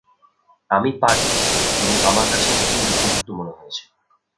আমি পারি, এবং আমার কাছে এটিই যুক্তিযুক্ত মনে হয়েছে।